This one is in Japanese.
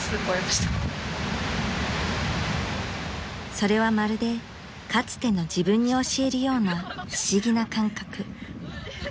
［それはまるでかつての自分に教えるような不思議な感覚］